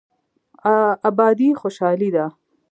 ابادي خوشحالي ده.